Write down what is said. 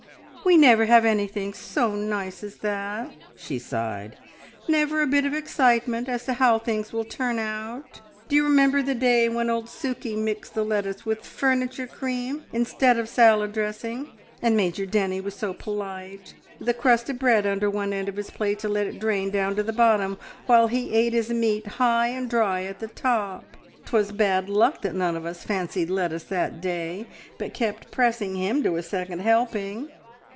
"We never have anything so nice as that!" she sighed. "Never a bit of excitement as to how things will turn out. D'you remember the day when old Sukey mixed the lettuce with furniture cream instead of salad dressing, and Major Denny was so polite, with a crust of bread under one end of his plate to let it drain down to the bottom, while he ate his meat high and dry at the top! 'Twas bad luck that none of us fancied lettuce that day, but kept pressing him to a second helping."